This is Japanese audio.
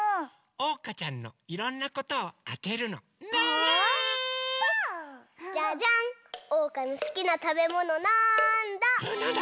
おうかのすきなたべものなんだ？